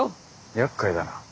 やっかいだな。